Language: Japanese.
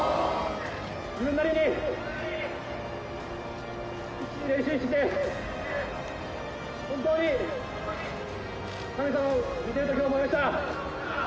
自分なりに必死に練習してきて、本当に神様は見てると思いました。